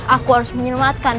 aku harus menyelamatkan pangeran itu